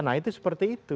nah itu seperti itu